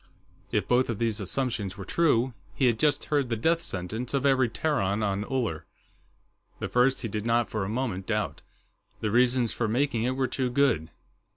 If both of these assumptions were true, he had just heard the death sentence of every Terran on Uller. The first he did not for a moment doubt. The reasons for making it were too good.